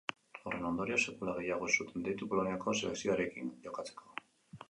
Horren ondorioz, sekula gehiago ez zuten deitu Poloniako selekzioarekin jokatzeko.